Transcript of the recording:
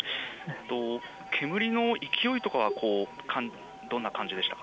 煙の勢いとかどんな感じでしたか。